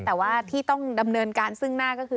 แต่ว่าที่ต้องดำเนินการซึ่งหน้าก็คือ